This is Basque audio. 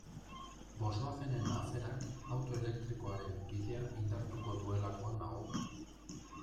Volkswagenen aferak auto elektrikoaren bidea indartuko duelakoan nago.